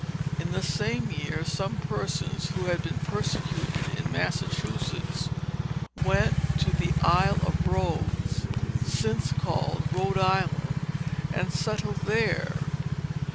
In the same year, some persons who had been persecuted in Massachusetts, went to the Isle of Rhodes, since called Rhode Island, and settled there.